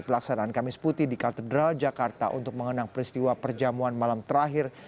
pelaksanaan kamis putih di katedral jakarta untuk mengenang peristiwa perjamuan malam terakhir